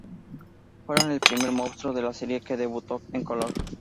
Fueron el primer monstruo de la serie que debutó en color.